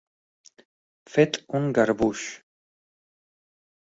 Fet un garbuix.